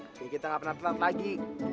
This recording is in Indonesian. kayaknya kita gak pernah tenat lagi